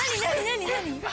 何？